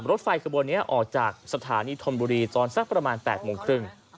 รถไฟขบวนนี้ออกจากสถานีธนบุรีตอนสักประมาณ๘โมงครึ่ง